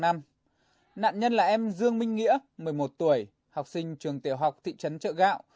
nạn nhân là em dương minh nghĩa một mươi một tuổi học sinh trường tiểu học thị trấn trợ gạo